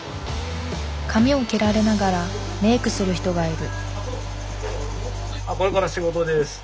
髪を切られながらメークする人がいる。